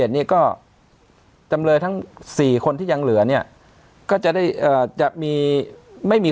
นี่ก็จำเลยทั้ง๔คนที่ยังเหลือเนี่ยก็จะได้จะมีไม่มี